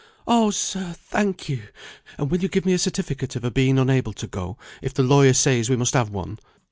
"Oh, sir, thank you! And will you give me a certificate of her being unable to go, if the lawyer says we must have one?